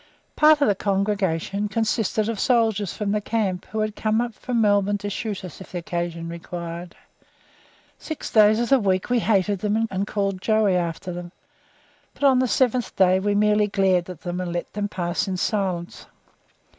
Part of the congregation consisted of soldiers from the camp, who had come up from Melbourne to shoot us if occasion required. Six days of the week we hated them and called "Joey" after them, but on the seventh day we merely glared at them, and let them pass in silence.